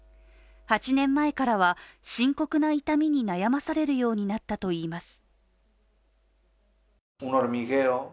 ８年前からは深刻な痛みに悩まされるようになったといいます。